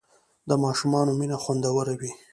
د ماشومانو مینه خوندور وي.